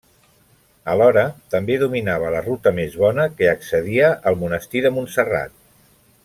Alhora, també dominava la ruta més bona que accedia al monestir de Montserrat.